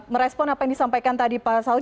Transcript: merespon apa yang disampaikan tadi pak saud